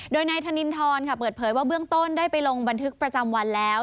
โดยนายธนินทรเปิดเผยว่าเบื้องต้นได้ไปลงบันทึกประจำวันแล้ว